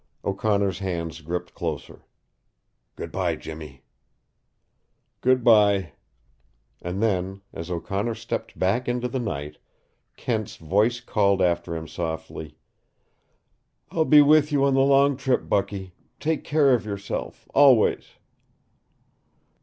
O'Connor's hands gripped closer. "Good by, Jimmy." "Good by." And then, as O'Connor stepped back into the night, Kent's voice called after him softly: "I'll be with you on the long trip, Bucky. Take care of yourself always."